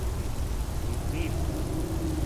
И ти би.